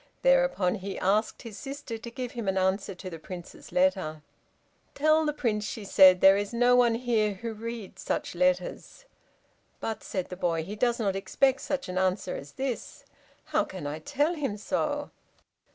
Thereupon he asked his sister to give him an answer to the Prince's letter. "Tell the Prince," she said, "there is no one here who reads such letters." "But," said the boy, "he does not expect such an answer as this! How can I tell him so?"